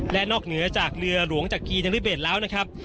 และนอกเหนือจากเรือหลวงจักรีนริเบสแล้วนะครับ